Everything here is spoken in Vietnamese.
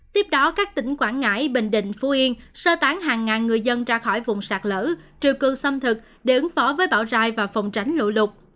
tiếp đó các tỉnh quảng ngãi bình định phú yên sơ tán hàng ngàn người dân ra khỏi vùng sạt lỡ triều cư xâm thực để ứng phó với bão rai và phòng tránh lụ lục